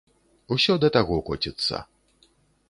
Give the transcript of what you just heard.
Усё да таго коціцца.